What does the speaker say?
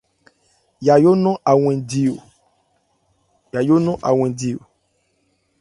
Yayó nɔn a wɛn di o.